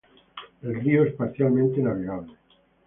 El río es parcialmente navegable.